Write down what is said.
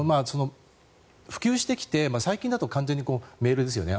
普及してきて最近だと完全にメールですよね。